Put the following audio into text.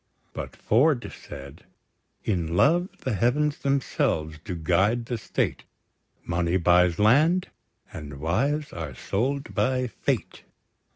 But Ford said: In love, the heavens themselves do guide the State; Money buys land, and wives are sold by fate!